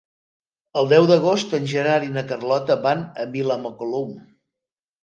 El deu d'agost en Gerard i na Carlota van a Vilamacolum.